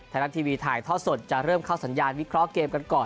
ไทยรัฐทีวีถ่ายทอดสดจะเริ่มเข้าสัญญาณวิเคราะห์เกมกันก่อน